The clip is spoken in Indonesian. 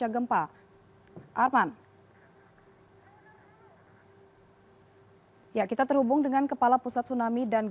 gempa itu dengan kekuatan enam empat